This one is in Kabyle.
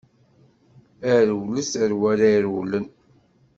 A rewlet a w'ara irewlen!